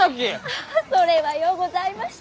ハハそれはようございました！